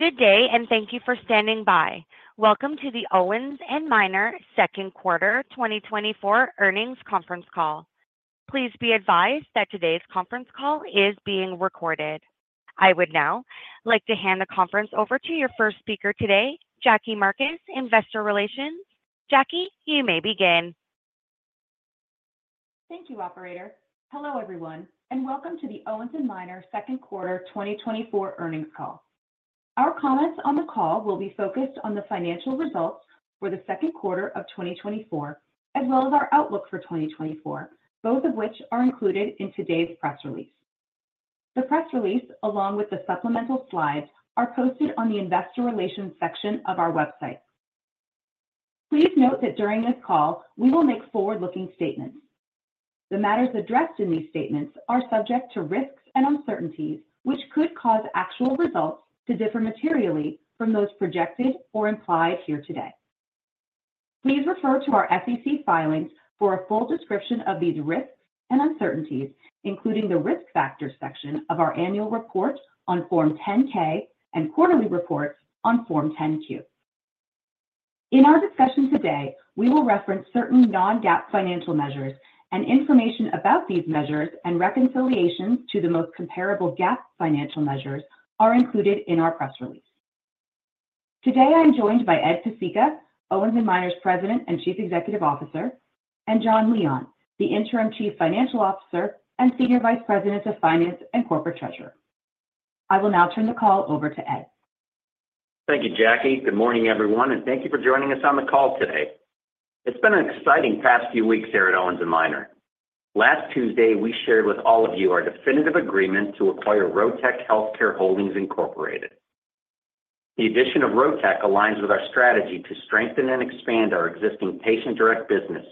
Good day, and thank you for standing by. Welcome to the Owens & Minor Second Quarter 2024 Earnings Conference Call. Please be advised that today's conference call is being recorded. I would now like to hand the conference over to your first speaker today, Jackie Marcus, Investor Relations. Jackie, you may begin. Thank you, operator. Hello, everyone, and welcome to the Owens & Minor Second Quarter 2024 Earnings Call. Our comments on the call will be focused on the financial results for the second quarter of 2024, as well as our outlook for 2024, both of which are included in today's press release. The press release, along with the supplemental slides, are posted on the Investor Relations section of our website. Please note that during this call, we will make forward-looking statements. The matters addressed in these statements are subject to risks and uncertainties, which could cause actual results to differ materially from those projected or implied here today. Please refer to our SEC filings for a full description of these risks and uncertainties, including the Risk Factors section of our annual report on Form 10-K and quarterly report on Form 10-Q. In our discussion today, we will reference certain non-GAAP financial measures, and information about these measures and reconciliations to the most comparable GAAP financial measures are included in our press release. Today, I am joined by Ed Pesicka, Owens & Minor's President and Chief Executive Officer, and Jonathan Leon, the Interim Chief Financial Officer and Senior Vice President of Finance and Corporate Treasurer. I will now turn the call over to Ed. Thank you, Jackie. Good morning, everyone, and thank you for joining us on the call today. It's been an exciting past few weeks here at Owens & Minor. Last Tuesday, we shared with all of you our definitive agreement to acquire Rotech Healthcare Holdings, Incorporated. The addition of Rotech aligns with our strategy to strengthen and expand our existing patient-direct business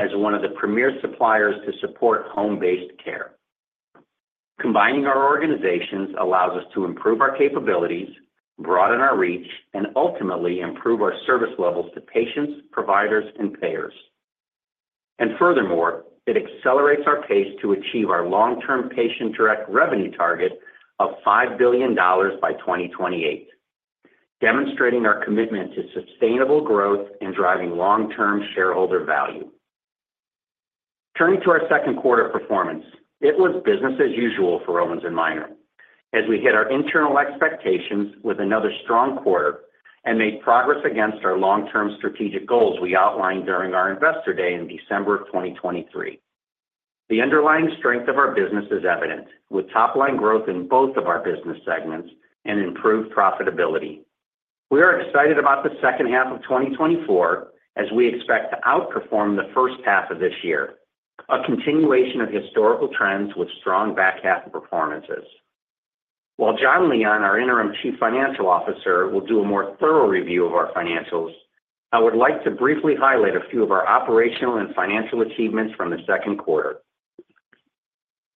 as one of the premier suppliers to support home-based care. Combining our organizations allows us to improve our capabilities, broaden our reach, and ultimately improve our service levels to patients, providers, and payers. Furthermore, it accelerates our pace to achieve our long-term patient-direct revenue target of $5 billion by 2028, demonstrating our commitment to sustainable growth and driving long-term shareholder value. Turning to our second quarter performance, it was business as usual for Owens & Minor as we hit our internal expectations with another strong quarter and made progress against our long-term strategic goals we outlined during our Investor Day in December of 2023. The underlying strength of our business is evident, with top-line growth in both of our business segments and improved profitability. We are excited about the second half of 2024, as we expect to outperform the first half of this year, a continuation of historical trends with strong back half performances. While Jonathan Leon, our Interim Chief Financial Officer, will do a more thorough review of our financials, I would like to briefly highlight a few of our operational and financial achievements from the second quarter.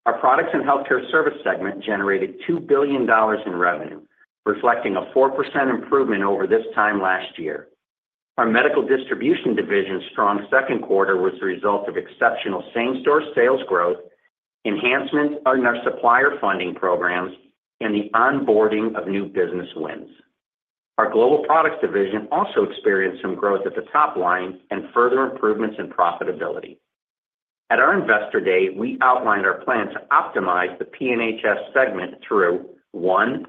Our Products & Healthcare Services segment generated $2 billion in revenue, reflecting a 4% improvement over this time last year. Our Medical Distribution division's strong second quarter was the result of exceptional same-store sales growth, enhancements in our supplier funding programs, and the onboarding of new business wins. Our Global Products division also experienced some growth at the top line and further improvements in profitability. At our Investor Day, we outlined our plan to optimize the PNHS segment through, one,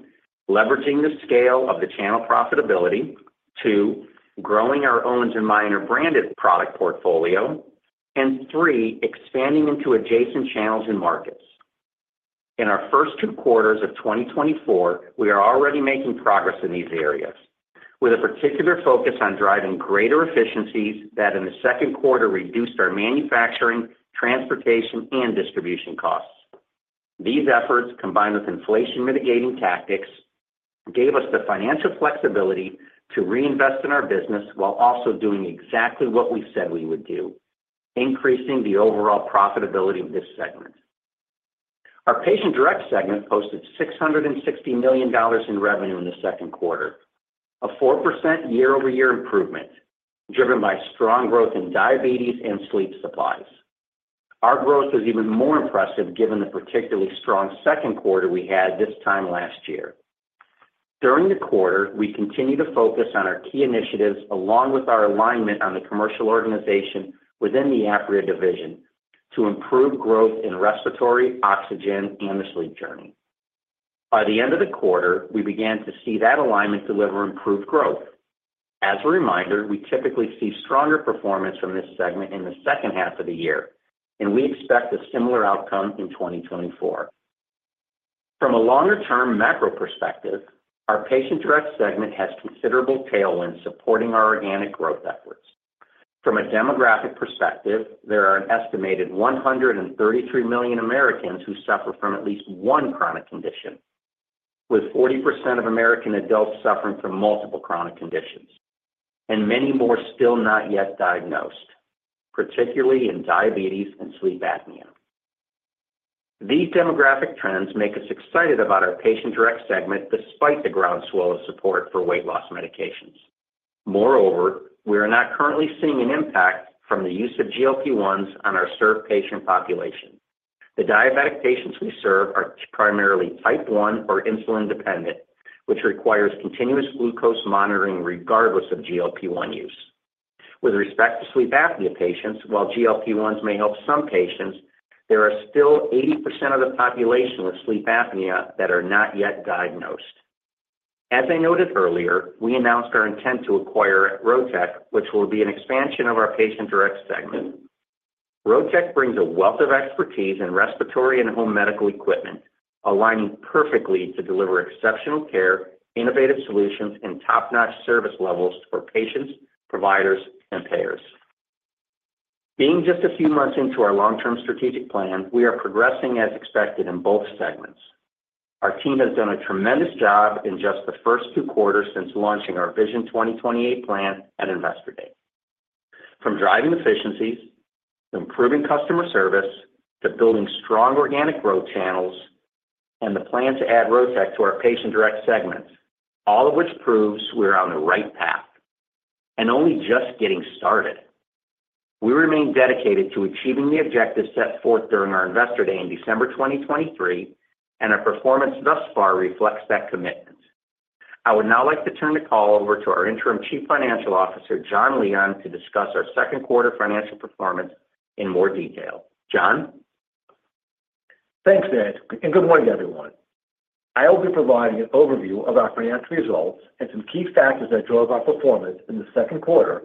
leveraging the scale of the channel profitability, two, growing our Owens & Minor branded product portfolio, and 3, expanding into adjacent channels and markets. In our first two quarters of 2024, we are already making progress in these areas, with a particular focus on driving greater efficiencies that in the second quarter reduced our manufacturing, transportation, and distribution costs. These efforts, combined with inflation mitigating tactics, gave us the financial flexibility to reinvest in our business while also doing exactly what we said we would do, increasing the overall profitability of this segment. OurPatient Direct segment posted $660 million in revenue in the second quarter, a 4% year-over-year improvement, driven by strong growth in diabetes and sleep supplies. Our growth is even more impressive given the particularly strong second quarter we had this time last year. During the quarter, we continued to focus on our key initiatives, along with our alignment on the commercial organization within the Apria division, to improve growth in respiratory, oxygen, and the sleep journey. By the end of the quarter, we began to see that alignment deliver improved growth. As a reminder, we typically see stronger performance from this segment in the second half of the year, and we expect a similar outcome in 2024. From a longer-term macro perspective, our Patient Direct segment has considerable tailwind supporting our organic growth efforts. From a demographic perspective, there are an estimated 133 million Americans who suffer from at least one chronic condition, with 40% of American adults suffering from multiple chronic conditions and many more still not yet diagnosed, particularly in diabetes and sleep apnea. These demographic trends make us excited about our Patient Direct segment despite the groundswell of support for weight loss medications. Moreover, we are not currently seeing an impact from the use of GLP-1s on our served patient population. The diabetic patients we serve are primarily type one or insulin dependent, which requires continuous glucose monitoring regardless of GLP-1 use. With respect to sleep apnea patients, while GLP-1s may help some patients, there are still 80% of the population with sleep apnea that are not yet diagnosed. As I noted earlier, we announced our intent to acquire Rotech, which will be an expansion of our Patient Direct segment. Rotech brings a wealth of expertise in respiratory and home medical equipment, aligning perfectly to deliver exceptional care, innovative solutions, and top-notch service levels for patients, providers, and payers. Being just a few months into our long-term strategic plan, we are progressing as expected in both segments. Our team has done a tremendous job in just the first two quarters since launching our Vision 2028 plan at Investor Day. From driving efficiencies, to improving customer service, to building strong organic growth channels, and the plan to add Rotech to our Patient Direct segments, all of which proves we're on the right path and only just getting started. We remain dedicated to achieving the objectives set forth during our Investor Day in December 2023, and our performance thus far reflects that commitment. I would now like to turn the call over to our Interim Chief Financial Officer, Jonathan Leon, to discuss our second quarter financial performance in more detail. Jon? Thanks, Ed, and good morning, everyone. I will be providing an overview of our financial results and some key factors that drove our performance in the second quarter,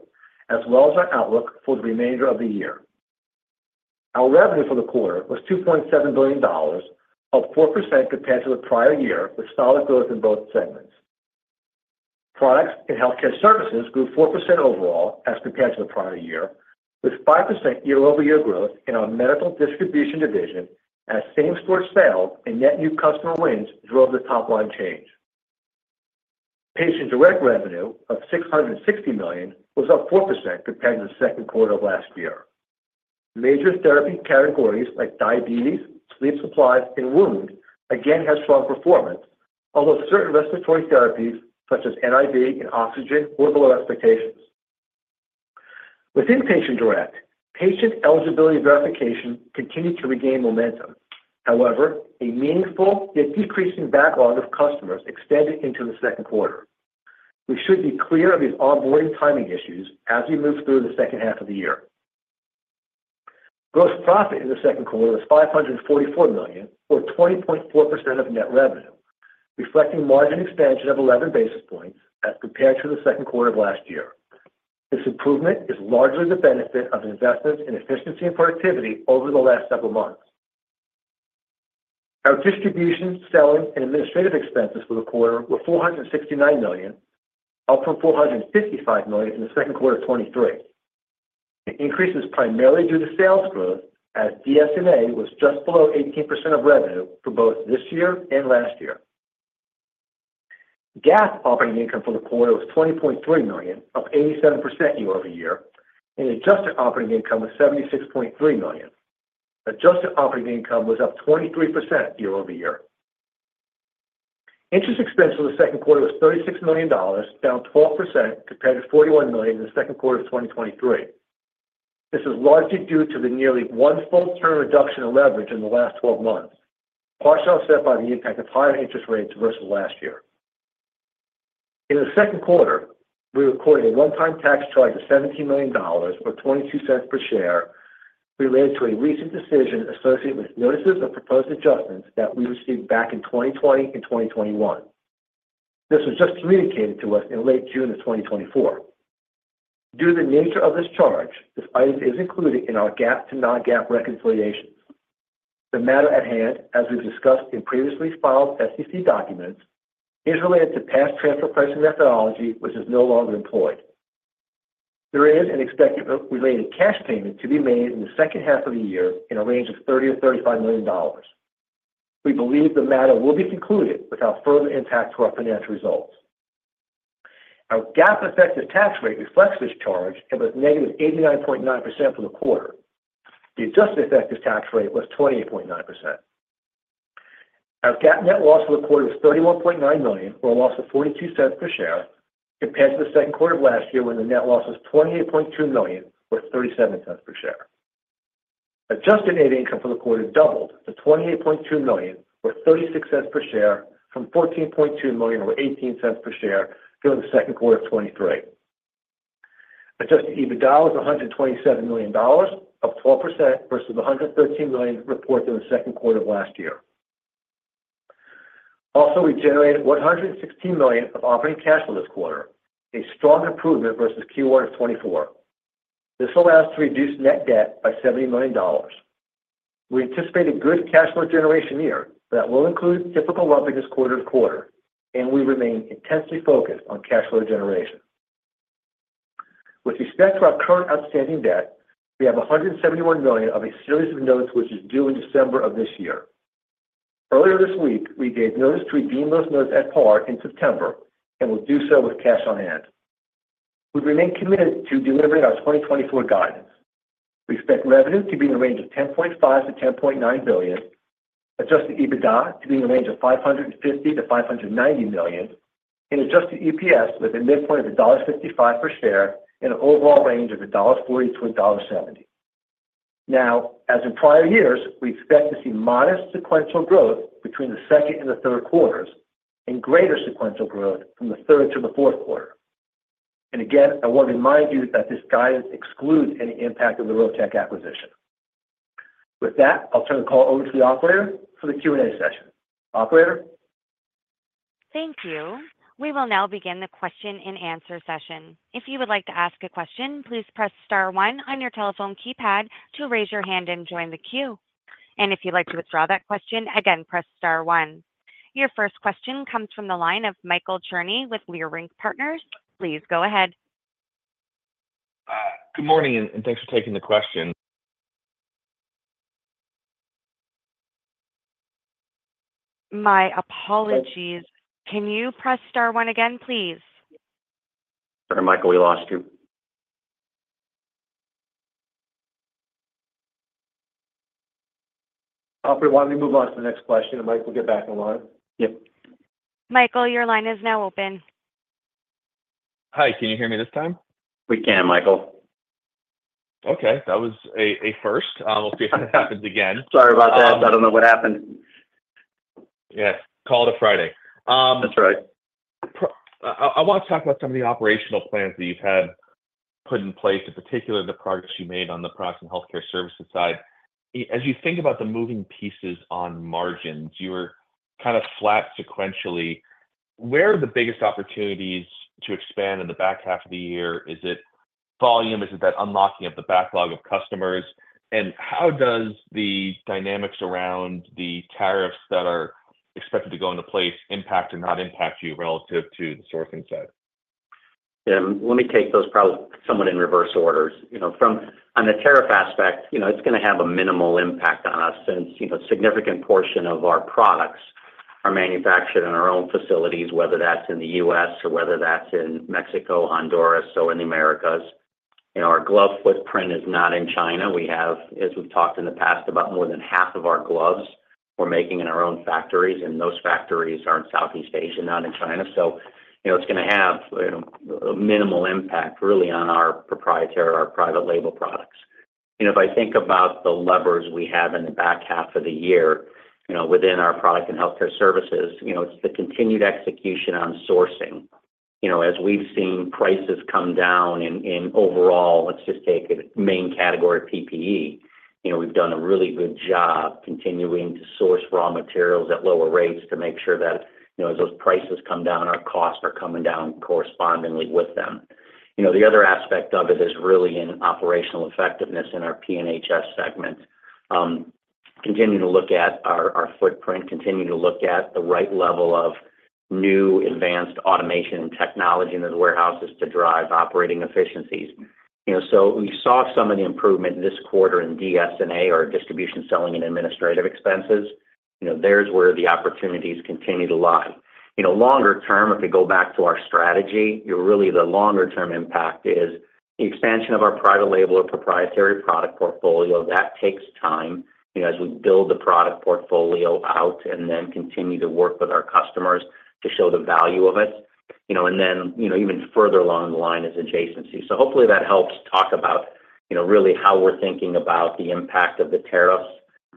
as well as our outlook for the remainder of the year. Our revenue for the quarter was $2.7 billion, up 4% compared to the prior year, with solid growth in both segments. Products & Healthcare Services grew 4% overall as compared to the prior year, with 5% year-over-year growth in our Medical Distribution division as same-store sales and net new customer wins drove the top line change. Patient direct revenue of $660 million was up 4% compared to the second quarter of last year. Major therapy categories like diabetes, sleep supplies, and wound care had strong performance, although certain respiratory therapies such as NIV and oxygen were below expectations. Within Patient Direct, patient eligibility verification continued to regain momentum. However, a meaningful yet decreasing backlog of customers extended into the second quarter. We should be clear of these onboarding timing issues as we move through the second half of the year. Gross profit in the second quarter was $544 million, or 20.4% of net revenue, reflecting margin expansion of 11 basis points as compared to the second quarter of last year. This improvement is largely the benefit of investments in efficiency and productivity over the last several months. Our distribution, selling, and administrative expenses for the quarter were $469 million, up from $455 million in the second quarter of 2023. The increase is primarily due to sales growth, as DS&A was just below 18% of revenue for both this year and last year. GAAP operating income for the quarter was $20.3 million, up 87% year-over-year, and adjusted operating income was $76.3 million. Adjusted operating income was up 23% year-over-year. Interest expense for the second quarter was $36 million, down 12% compared to $41 million in the second quarter of 2023. This is largely due to the nearly one full term reduction in leverage in the last 12 months, partially offset by the impact of higher interest rates versus last year. In the second quarter, we recorded a one-time tax charge of $17 million, or $0.22 per share, related to a recent decision associated with notices of proposed adjustments that we received back in 2020 and 2021. This was just communicated to us in late June of 2024. Due to the nature of this charge, this item is included in our GAAP to non-GAAP reconciliation. The matter at hand, as we've discussed in previously filed SEC documents, is related to past transfer pricing methodology, which is no longer employed. There is an expected related cash payment to be made in the second half of the year in a range of $30 million-$35 million. We believe the matter will be concluded without further impact to our financial results. Our GAAP effective tax rate reflects this charge and was -89.9% for the quarter. The adjusted effective tax rate was 28.9%. Our GAAP net loss for the quarter was $31.9 million, or a loss of $0.42 per share, compared to the second quarter of last year, when the net loss was $28.2 million, or $0.37 per share. Adjusted net income for the quarter doubled to $28.2 million, or $0.36 per share, from $14.2 million or $0.18 per share during the second quarter of 2023. Adjusted EBITDA was $127 million, up 12% versus the $113 million reported in the second quarter of last year. Also, we generated $116 million of operating cash flow this quarter, a strong improvement versus Q1 of 2024. This allows to reduce net debt by $70 million. We anticipate a good cash flow generation year that will include typical lumpiness quarter to quarter, and we remain intensely focused on cash flow generation. With respect to our current outstanding debt, we have $171 million of a series of notes, which is due in December of this year. Earlier this week, we gave notice to redeem those notes at par in September and will do so with cash on hand. We remain committed to delivering our 2024 guidance. We expect revenue to be in the range of $10.5 billion-$10.9 billion, adjusted EBITDA to be in the range of $550 million-$590 million, and adjusted EPS with a midpoint of $1.55 per share and an overall range of $1.40-$1.70. Now, as in prior years, we expect to see modest sequential growth between the second and the third quarters, and greater sequential growth from the third to the fourth quarter. And again, I want to remind you that this guidance excludes any impact of the Rotech acquisition. With that, I'll turn the call over to the operator for the Q&A session. Operator? Thank you. We will now begin the question-and-answer session. If you would like to ask a question, please press star one on your telephone keypad to raise your hand and join the queue. And if you'd like to withdraw that question, again, press star one. Your first question comes from the line of Michael Cherny with Leerink Partners. Please go ahead. Good morning, and thanks for taking the question. My apologies. Can you press star one again, please? Michael, we lost you. Operator, why don't we move on to the next question, and Mike, we'll get back in line. Yep. Michael, your line is now open. Hi, can you hear me this time? We can, Michael. Okay, that was a first. We'll see if that happens again. Sorry about that. I don't know what happened. Yes. Call to Friday. That's right. I want to talk about some of the operational plans that you've had put in place, in particular, the progress you made on the product and healthcare services side. As you think about the moving pieces on margins, you were kind of flat sequentially. Where are the biggest opportunities to expand in the back half of the year? Is it volume? Is it that unlocking of the backlog of customers? And how does the dynamics around the tariffs that are expected to go into place impact or not impact you relative to the sourcing side? Let me take those probably somewhat in reverse orders. You know, from on the tariff aspect, you know, it's gonna have a minimal impact on us since, you know, a significant portion of our products are manufactured in our own facilities, whether that's in the U.S. or whether that's in Mexico, Honduras, so in the Americas. You know, our glove footprint is not in China. We have, as we've talked in the past, about more than half of our gloves we're making in our own factories, and those factories are in Southeast Asia, not in China. So you know, it's gonna have, you know, a minimal impact, really, on our proprietary or our private label products. You know, if I think about the levers we have in the back half of the year, you know, within our product and healthcare services, you know, it's the continued execution on sourcing. You know, as we've seen prices come down and overall, let's just take a main category, PPE. You know, we've done a really good job continuing to source raw materials at lower rates to make sure that, you know, as those prices come down, our costs are coming down correspondingly with them. You know, the other aspect of it is really in operational effectiveness in our PNHS segment. Continuing to look at our footprint, continuing to look at the right level of new advanced automation and technology in the warehouses to drive operating efficiencies. You know, so we saw some of the improvement this quarter in DS&A, or Distribution, Selling, and Administrative expenses. You know, there's where the opportunities continue to lie. You know, longer term, if we go back to our strategy, you're really, the longer term impact is the expansion of our private label or proprietary product portfolio. That takes time, you know, as we build the product portfolio out and then continue to work with our customers to show the value of it, you know, and then, you know, even further along the line is adjacency. So hopefully that helps talk about, you know, really how we're thinking about the impact of the tariffs,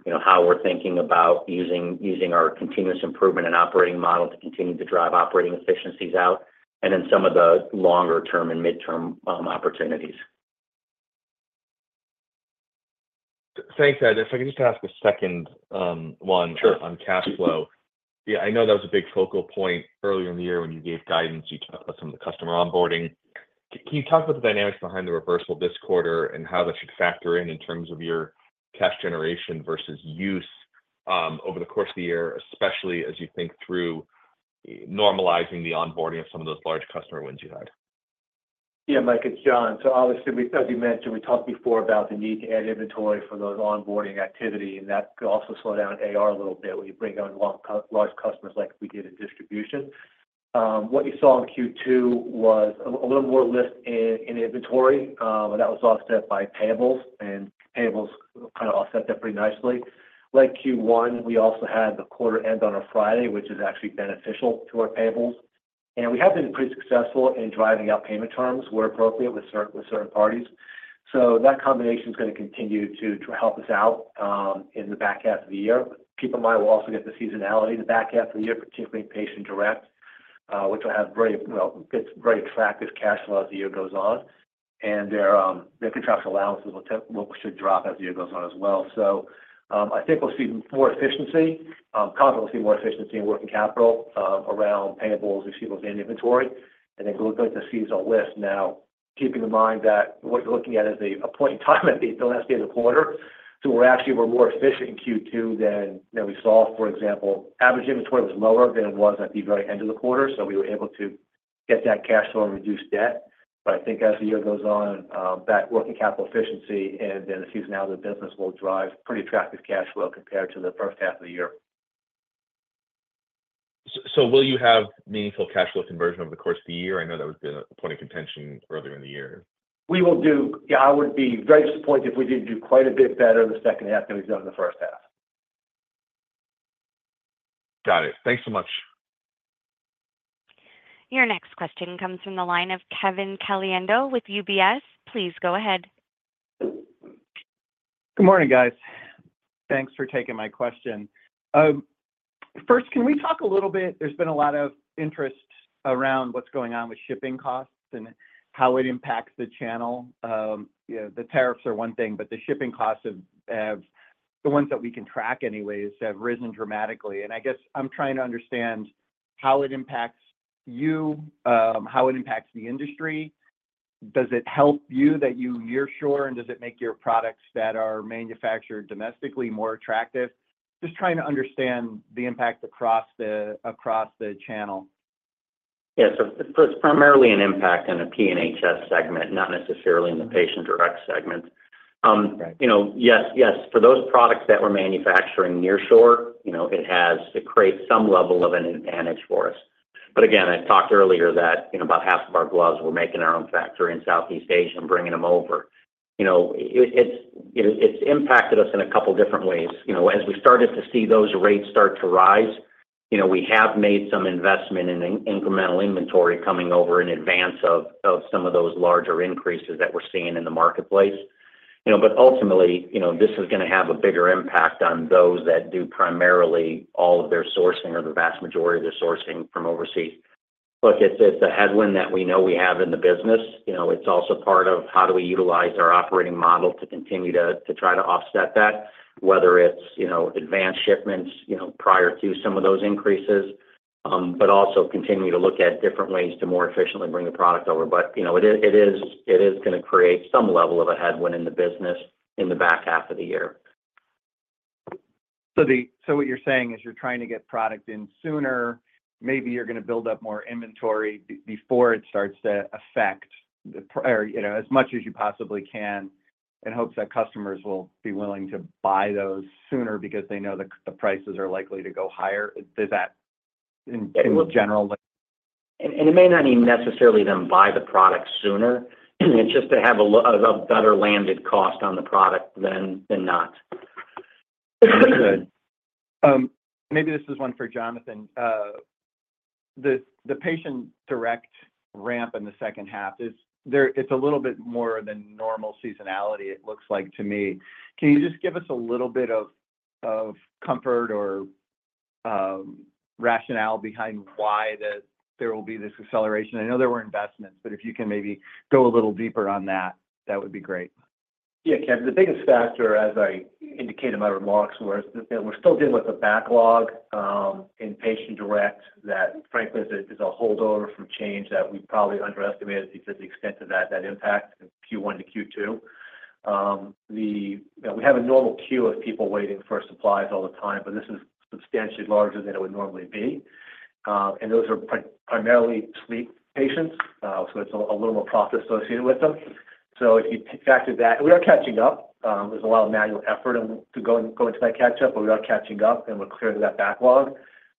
you know, how we're thinking about using, using our continuous improvement and operating model to continue to drive operating efficiencies out, and then some of the longer term and midterm opportunities. Thanks, Ed. If I can just ask a second, Sure... on cash flow. Yeah, I know that was a big focal point earlier in the year when you gave guidance, you talked about some of the customer onboarding. Can you talk about the dynamics behind the reversal this quarter and how that should factor in, in terms of your cash generation versus use, over the course of the year, especially as you think through normalizing the onboarding of some of those large customer wins you had? Yeah, Mike, it's John. So obviously, we, as you mentioned, we talked before about the need to add inventory for those onboarding activity, and that could also slow down AR a little bit when you bring on large customers like we did in distribution. What you saw in Q2 was a little more lift in inventory, but that was offset by payables, and payables kind of offset that pretty nicely. Like Q1, we also had the quarter end on a Friday, which is actually beneficial to our payables. And we have been pretty successful in driving out payment terms where appropriate with certain parties. So that combination is gonna continue to help us out in the back half of the year. Keep in mind, we'll also get the seasonality in the back half of the year, particularly Patient Direct, which will have very, well, gets very attractive cash flow as the year goes on. And their, their contractual allowances will will, should drop as the year goes on as well. So, I think we'll see more efficiency, probably we'll see more efficiency in working capital, around payables, receivables, and inventory, and I think we're going to see a lift. Now, keeping in mind that what you're looking at is a point in time at the last end of the quarter, so we're actually were more efficient in Q2 than, you know, we saw, for example, average inventory was lower than it was at the very end of the quarter, so we were able to get that cash flow and reduce debt. I think as the year goes on, that working capital efficiency and the seasonality of the business will drive pretty attractive cash flow compared to the first half of the year.... Will you have meaningful cash flow conversion over the course of the year? I know that was a point of contention earlier in the year. We will do. Yeah, I would be very disappointed if we didn't do quite a bit better in the second half than we've done in the first half. Got it. Thanks so much. Your next question comes from the line of Kevin Caliendo with UBS. Please go ahead. Good morning, guys. Thanks for taking my question. First, can we talk a little bit. There's been a lot of interest around what's going on with shipping costs and how it impacts the channel. You know, the tariffs are one thing, but the shipping costs, the ones that we can track anyways, have risen dramatically. And I guess I'm trying to understand how it impacts you, how it impacts the industry. Does it help you that you nearshore, and does it make your products that are manufactured domestically more attractive? Just trying to understand the impact across the channel. Yeah. So first, primarily an impact on the P&HS segment, not necessarily in the patient-direct segment. You know, yes, yes, for those products that we're manufacturing nearshore, you know, it has, it creates some level of an advantage for us. But again, I talked earlier that, you know, about half of our gloves, we're making in our own factory in Southeast Asia and bringing them over. You know, it's impacted us in a couple different ways. You know, as we started to see those rates start to rise, you know, we have made some investment in incremental inventory coming over in advance of some of those larger increases that we're seeing in the marketplace. You know, but ultimately, you know, this is gonna have a bigger impact on those that do primarily all of their sourcing or the vast majority of their sourcing from overseas. Look, it's a headwind that we know we have in the business. You know, it's also part of how we utilize our operating model to continue to try to offset that, whether it's, you know, advanced shipments, you know, prior to some of those increases, but also continuing to look at different ways to more efficiently bring the product over. But, you know, it is gonna create some level of a headwind in the business in the back half of the year. So what you're saying is you're trying to get product in sooner, maybe you're gonna build up more inventory before it starts to affect the prices or, you know, as much as you possibly can, in hopes that customers will be willing to buy those sooner because they know the prices are likely to go higher. Does that in general look- It may not even necessarily them buy the product sooner. It's just to have a better landed cost on the product than not. Good. Maybe this is one for Jonathan. The Patient Direct ramp in the second half, is there, it's a little bit more than normal seasonality, it looks like to me. Can you just give us a little bit of comfort or rationale behind why there will be this acceleration? I know there were investments, but if you can maybe go a little deeper on that, that would be great. Yeah, Kevin, the biggest factor, as I indicated in my remarks, was that we're still dealing with a backlog in Patient Direct that frankly is a holdover from change that we probably underestimated the extent of that impact in Q1 to Q2. You know, we have a normal queue of people waiting for supplies all the time, but this is substantially larger than it would normally be. And those are primarily sleep patients, so it's a little more profit associated with them. So if you factor that... We are catching up. There's a lot of manual effort to go into that catch-up, but we are catching up, and we're clear to that backlog.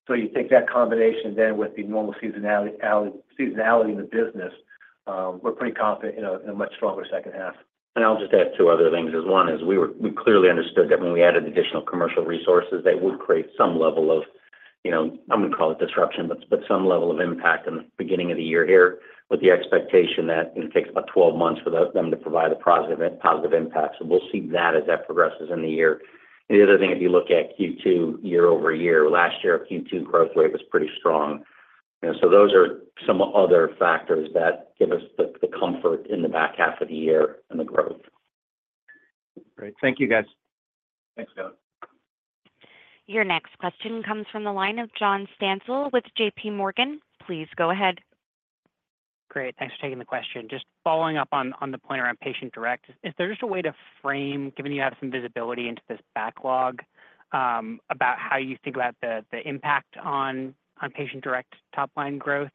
So you take that combination then with the normal seasonality, seasonality in the business, we're pretty confident in a, in a much stronger second half. I'll just add two other things. One is we clearly understood that when we added additional commercial resources, that would create some level of, you know, I'm going to call it disruption, but some level of impact in the beginning of the year here, with the expectation that it takes about 12 months for them to provide a positive impact. So we'll see that as that progresses in the year. And the other thing, if you look at Q2 year-over-year, last year, Q2 growth rate was pretty strong. You know, so those are some other factors that give us the comfort in the back half of the year and the growth. Great. Thank you, guys. Thanks, Kevin. Your next question comes from the line of John Stansel with J.P. Morgan. Please go ahead. Great. Thanks for taking the question. Just following up on the point around Patient Direct, is there just a way to frame, given you have some visibility into this backlog, about how you think about the impact on Patient Direct top line growth?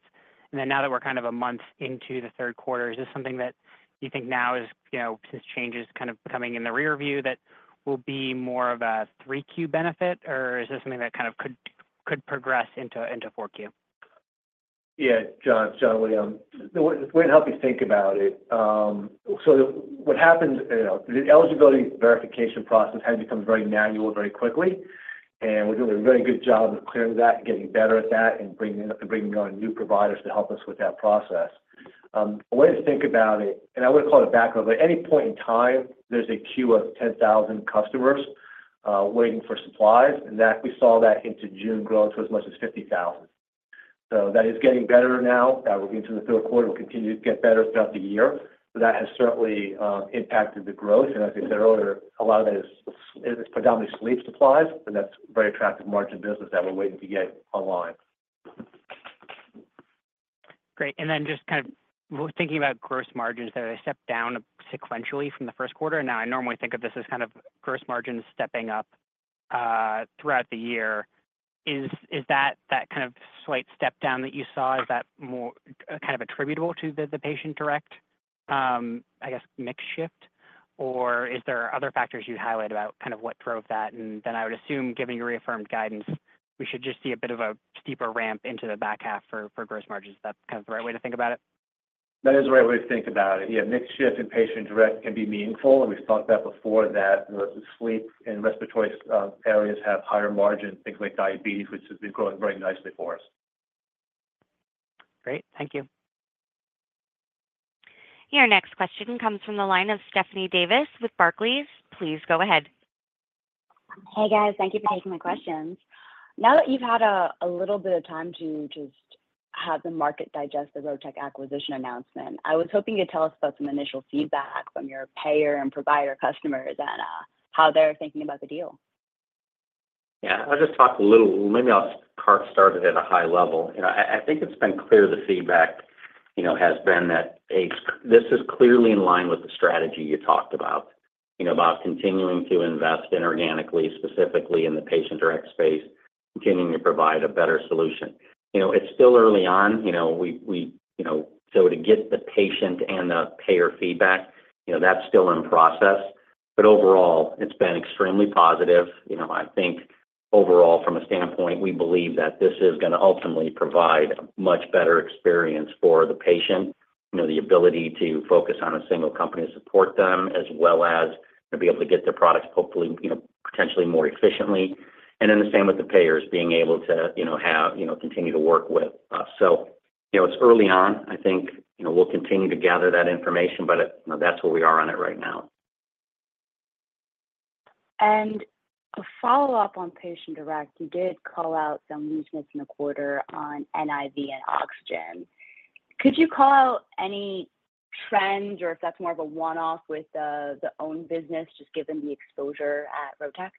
And then now that we're kind of a month into the third quarter, is this something that you think now is, you know, this change is kind of coming in the rearview that will be more of a 3Q benefit, or is this something that kind of could progress into 4Q? Yeah, John, it's Jon Leon. The way to help you think about it, so what happens, you know, the eligibility verification process had become very manual, very quickly, and we're doing a very good job of clearing that, getting better at that, and bringing on new providers to help us with that process. A way to think about it, and I wouldn't call it a backlog, but at any point in time, there's a queue of 10,000 customers waiting for supplies, and that we saw that into June grow to as much as 50,000. So that is getting better now. That will get into the third quarter, will continue to get better throughout the year, but that has certainly impacted the growth. And as I said earlier, a lot of that is predominantly sleep supplies, and that's very attractive margin business that we're waiting to get online. Great. And then just kind of thinking about gross margins, that they stepped down sequentially from the first quarter. Now, I normally think of this as kind of gross margins stepping up throughout the year. Is that kind of slight step down that you saw, is that more kind of attributable to the Patient Direct, I guess, mix shift?... or is there other factors you'd highlight about kind of what drove that? And then I would assume, given your reaffirmed guidance, we should just see a bit of a steeper ramp into the back half for, for gross margins. Is that kind of the right way to think about it? That is the right way to think about it. Yeah, mix shift in Patient Direct can be meaningful, and we've talked about before that the sleep and respiratory areas have higher margin, things like diabetes, which has been growing very nicely for us. Great. Thank you. Your next question comes from the line of Stephanie Davis with Barclays. Please go ahead. Hey, guys. Thank you for taking my questions. Now that you've had a little bit of time to just have the market digest the Rotech acquisition announcement, I was hoping you'd tell us about some initial feedback from your payer and provider customers and how they're thinking about the deal. Yeah. I'll just talk a little, maybe I'll just start it at a high level. You know, I think it's been clear the feedback, you know, has been that this is clearly in line with the strategy you talked about, you know, about continuing to invest inorganically, specifically in the Patient Direct space, continuing to provide a better solution. You know, it's still early on, you know, we you know... So to get the patient and the payer feedback, you know, that's still in process, but overall it's been extremely positive. You know, I think overall, from a standpoint, we believe that this is gonna ultimately provide a much better experience for the patient. You know, the ability to focus on a single company to support them, as well as to be able to get their products hopefully, you know, potentially more efficiently. And then the same with the payers, being able to, you know, have, you know, continue to work with us. So, you know, it's early on. I think, you know, we'll continue to gather that information, but, you know, that's where we are on it right now. To follow up on Patient Direct, you did call out some weakness in the quarter on NIV and oxygen. Could you call out any trends or if that's more of a one-off with the O2 business, just given the exposure at Rotech?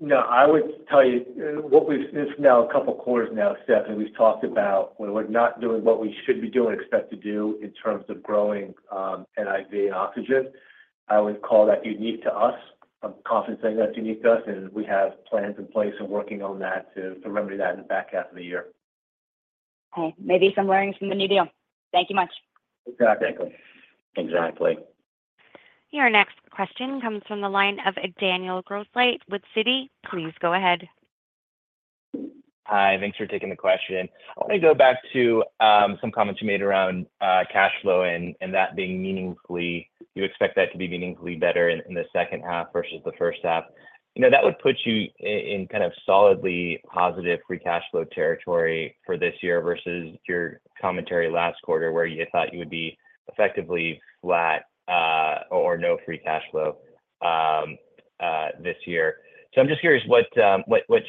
No, I would tell you what we've, it's now a couple quarters now, Steph, and we've talked about when we're not doing what we should be doing, expect to do in terms of growing NIV and oxygen. I would call that unique to us. I'm confident saying that's unique to us, and we have plans in place and working on that to remedy that in the back half of the year. Okay. Maybe some learnings from the new deal. Thank you much. Exactly. Exactly. Your next question comes from the line of Daniel Grosslight with Citi. Please go ahead. Hi, thanks for taking the question. I want to go back to some comments you made around cash flow and that being meaningfully you expect that to be meaningfully better in the second half versus the first half. You know, that would put you in kind of solidly positive free cash flow territory for this year versus your commentary last quarter, where you thought you would be effectively flat, or no free cash flow, this year. So I'm just curious, what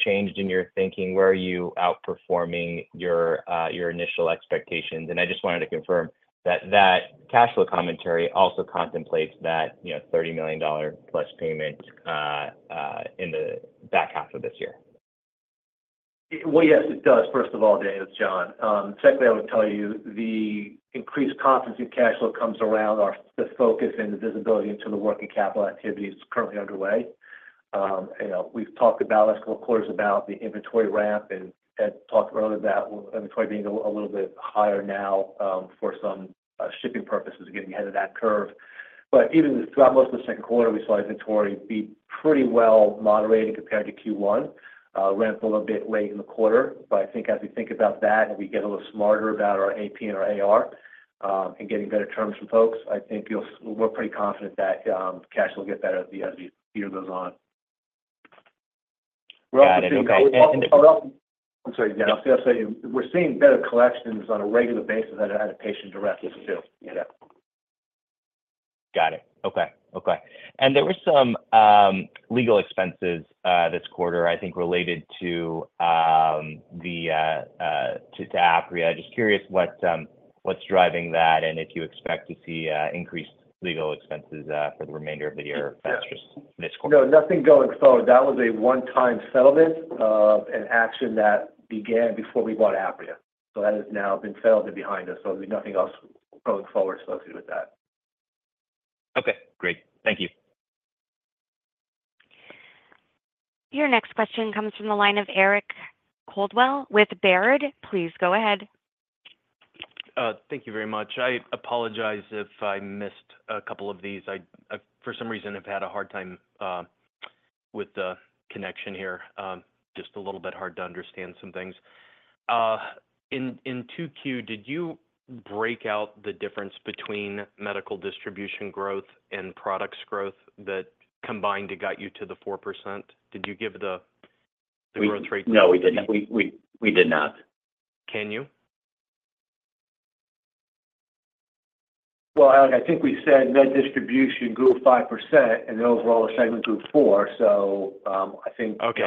changed in your thinking? Where are you outperforming your initial expectations? And I just wanted to confirm that that cash flow commentary also contemplates that, you know, $30 million+ payment in the back half of this year. Well, yes, it does, first of all, Dan, it's Jon. Secondly, I would tell you the increased confidence in cash flow comes around our the focus and the visibility into the working capital activities currently underway. You know, we've talked about last couple quarters about the inventory ramp and, and talked earlier about inventory being a little bit higher now, for some shipping purposes, getting ahead of that curve. But even throughout most of the second quarter, we saw inventory be pretty well moderated compared to Q1, ramp a little bit late in the quarter. But I think as we think about that and we get a little smarter about our AP and our AR, and getting better terms from folks, I think you'll we're pretty confident that, cash will get better as the, as the year goes on. Got it. I'm sorry, Dan. I was going to say, we're seeing better collections on a regular basis out of Patient Direct too. Yeah. Got it. Okay. Okay. And there were some legal expenses this quarter, I think, related to the Apria. Just curious what's driving that, and if you expect to see increased legal expenses for the remainder of the year versus this quarter? No, nothing going forward. That was a one-time settlement of an action that began before we bought Apria. So that has now been settled and behind us, so there'll be nothing else going forward associated with that. Okay, great. Thank you. Your next question comes from the line of Eric Coldwell with Baird. Please go ahead. Thank you very much. I apologize if I missed a couple of these. For some reason, I have had a hard time with the connection here, just a little bit hard to understand some things. In 2Q, did you break out the difference between Medical Distribution growth and products growth that combined to get you to the 4%? Did you give the growth rate? No, we didn't. We did not. Can you? Well, Eric, I think we said med distribution grew 5%, and the overall segment grew 4%, so, I think- Okay.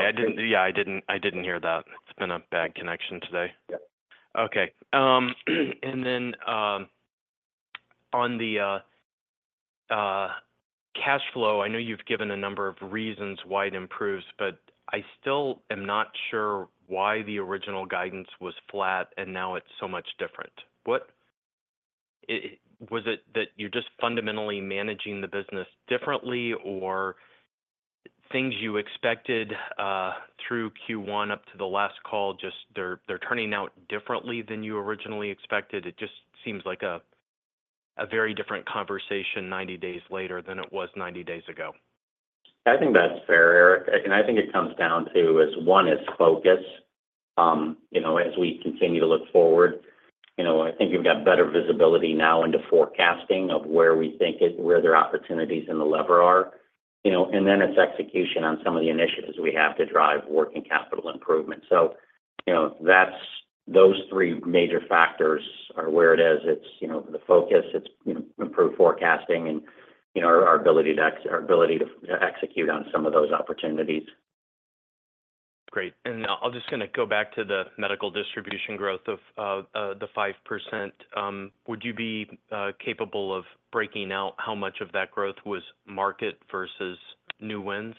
Yeah, I didn't hear that. It's been a bad connection today. Yeah. Okay. And then, on the, cash flow, I know you've given a number of reasons why it improves, but I still am not sure why the original guidance was flat, and now it's so much different. What... Was it that you're just fundamentally managing the business differently, or... things you expected, through Q1 up to the last call, just they're, they're turning out differently than you originally expected? It just seems like a, a very different conversation 90 days later than it was 90 days ago. I think that's fair, Eric, and I think it comes down to is, one, is focus. You know, as we continue to look forward, you know, I think we've got better visibility now into forecasting of where we think their opportunities in the lever are. You know, and then it's execution on some of the initiatives we have to drive working capital improvement. So, you know, that's those three major factors are where it is. It's, you know, the focus, it's, you know, improved forecasting and, you know, our ability to execute on some of those opportunities. Great. And I'll just gonna go back to the Medical Distribution growth of the 5%. Would you be capable of breaking out how much of that growth was market versus new wins?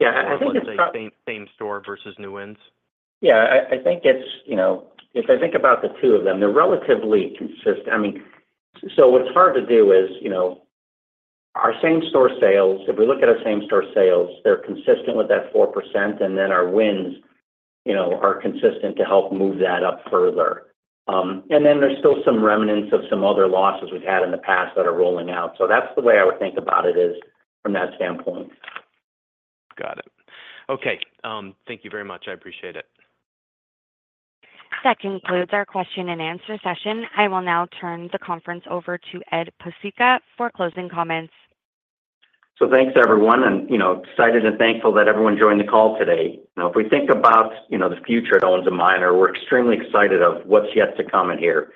Yeah, I think it's- Same-store versus new wins. Yeah, I think it's, you know, if I think about the two of them, they're relatively consistent. I mean, so what's hard to do is, you know, our same-store sales, if we look at our same-store sales, they're consistent with that 4%, and then our wins, you know, are consistent to help move that up further. And then there's still some remnants of some other losses we've had in the past that are rolling out. So that's the way I would think about it is from that standpoint. Got it. Okay, thank you very much. I appreciate it. That concludes our question-and-answer session. I will now turn the conference over to Ed Pesicka for closing comments. So thanks, everyone, and, you know, excited and thankful that everyone joined the call today. Now, if we think about, you know, the future at Owens & Minor, we're extremely excited about what's yet to come in here.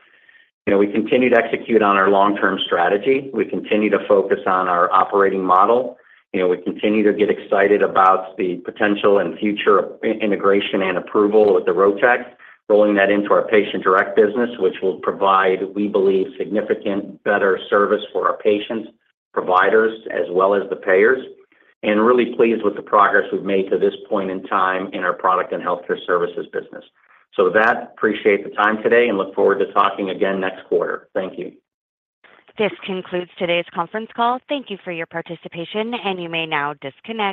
You know, we continue to execute on our long-term strategy. We continue to focus on our operating model. You know, we continue to get excited about the potential and future integration and approval with the Rotech, rolling that into our Patient Direct business, which will provide, we believe, significant better service for our patients, providers, as well as the payers. And really pleased with the progress we've made to this point in time in our product and healthcare services business. So with that, appreciate the time today and look forward to talking again next quarter. Thank you. This concludes today's conference call. Thank you for your participation, and you may now disconnect.